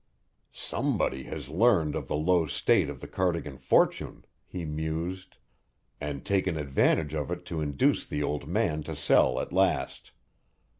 "Somebody has learned of the low state of the Cardigan fortune," he mused, "and taken advantage of it to induce the old man to sell at last.